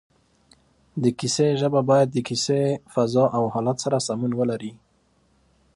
د کیسې ژبه باید د کیسې فضا او حالت سره سمون ولري